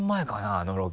あのロケ。